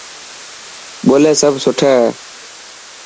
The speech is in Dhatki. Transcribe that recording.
ٻولي سڀ سٺي هي.